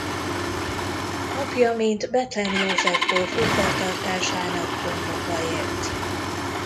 Apja mint Bethlen József gróf udvartartásának gondnoka élt.